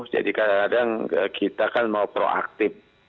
jadi kadang kadang kita kan mau proaktif